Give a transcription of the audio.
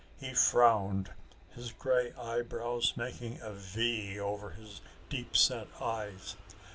He frowned, his grey eyebrows making a V over his deep set eyes.